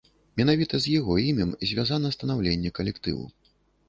Менавіта з яго імем звязана станаўленне калектыву.